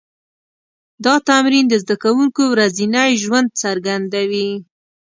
دا تمرین د زده کوونکو ورځنی ژوند څرګندوي.